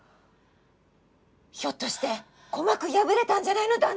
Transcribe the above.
ひょっとして鼓膜破れたんじゃないの？